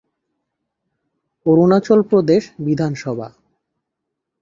Arunachal Pradesh Vidhan Sabha